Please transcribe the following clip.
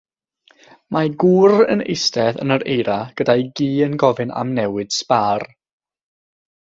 Mae gŵr yn eistedd yn yr eira gyda'i gi yn gofyn am newid sbâr.